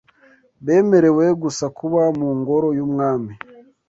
bemerewe gusa kuba mu ngoro y’umwami